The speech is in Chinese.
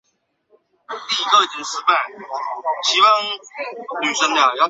盖森海恩是德国图林根州的一个市镇。